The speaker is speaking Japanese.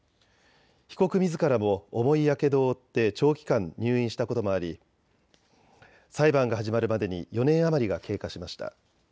被告みずからも重いやけどを負って長期間入院したこともあり裁判が始まるまでに４年余りが経過しました。